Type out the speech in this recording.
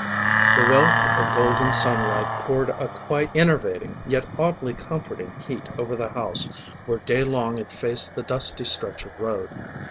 VI The wealth of golden sunlight poured a quite enervating yet oddly comforting heat over the house where day long it faced the dusty stretch of road.